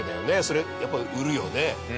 それやっぱ売るよね。